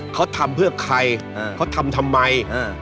เขาทำเพื่อใครเขาทำทำไม